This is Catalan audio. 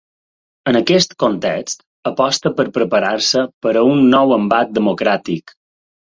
En aquest context, aposta per preparar-se per a un ‘nou embat democràtic’.